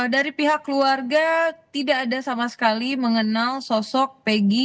dari pihak keluarga tidak ada sama sekali mengenal sosok peggy